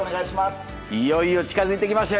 いよいよ近づいてきましたよ